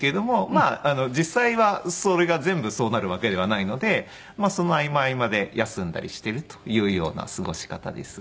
まあ実際はそれが全部そうなるわけではないのでその合間合間で休んだりしているというような過ごし方です。